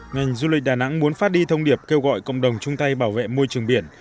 ngành du lịch đà nẵng muốn phát đi thông điệp kêu gọi cộng đồng chung tay bảo vệ môi trường biển